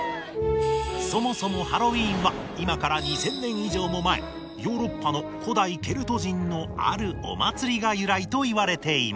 そもそもハロウィーンは今から２０００年以上も前ヨーロッパの古代ケルト人のあるお祭りが由来といわれています。